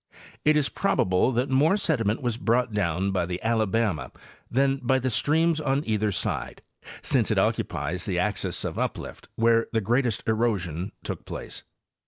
It is probable that more sediment was brought down by the Alabama than by the streams on either side, since it occupies the axis of uplift where the greatest erosion took place.